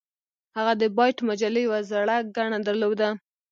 هغه د بایټ مجلې یوه زړه ګڼه درلوده